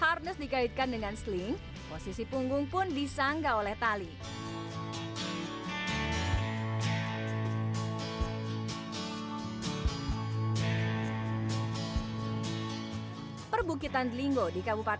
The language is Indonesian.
hasil foto akan membuat kita seolah berada di atas awan di temani kabut